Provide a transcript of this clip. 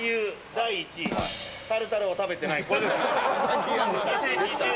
第１位はタルタルを食べてない、これです。